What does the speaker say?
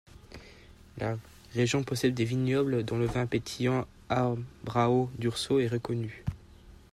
La région possède des vignobles, dont le vin pétillant Abraou-Durso est reconnu.